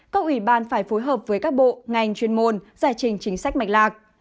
các ủy ban phải phối hợp với các bộ ngành chuyên môn giải trình chính sách mạch lạc